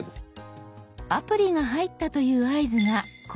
アプリが入ったという合図がこの「開く」。